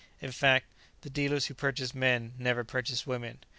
In fact, the dealers who purchase men never purchase women.